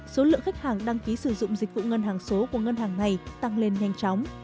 số lượng khách hàng đăng ký sử dụng dịch vụ ngân hàng số của ngân hàng này tăng lên nhanh chóng